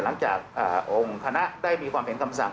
หลังจากองค์คณะได้มีความเห็นคำสั่ง